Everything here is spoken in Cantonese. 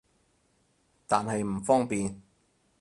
但係唔方便